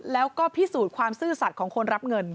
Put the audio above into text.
แล้วก็พิสูจน์ความซื่อสัตว์ของคนรับเงิน